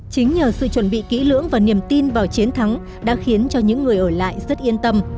chính nhờ sự chuẩn bị kỹ lưỡng và niềm tin vào chiến thắng đã khiến cho những người ở lại rất yên tâm